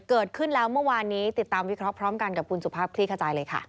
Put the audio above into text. เกิดขึ้นแล้วเมื่อวานนี้ติดตามวิเคราะห์พร้อมกันกับคุณสุภาพคลี่ขจายเลยค่ะ